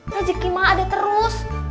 rejeki mah ada terus